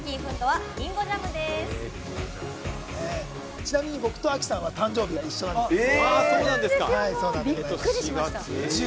ちなみに僕と亜希さんは誕生日が一緒なんですよね。